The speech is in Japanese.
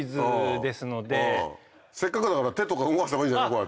せっかくだから手とか動かした方がいいんじゃない？